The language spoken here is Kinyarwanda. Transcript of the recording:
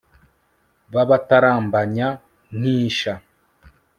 babatarambanya nk'isha